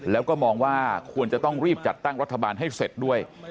แล้วก็มองว่าควรจะต้องรีบจัดตั้งรัฐบาลให้เสร็จด้วย